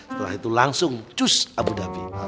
setelah itu langsung cus abu dhabi